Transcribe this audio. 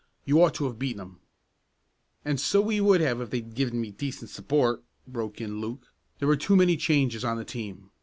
"You ought to have beaten 'em." "And so we would have if they'd given me decent support," broke in Luke. "There were too many changes on the team."